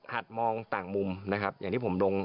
มองต่างมุมนะครับอย่างที่ผมดง